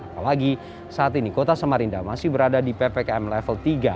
apalagi saat ini kota samarinda masih berada di ppkm level tiga